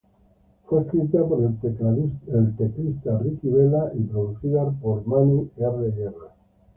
Fue escrita por el tecladista Ricky Vela y producida por Manny R. Guerra.